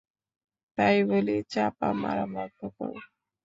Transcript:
তাই বলি চাপামারা বন্ধ কর।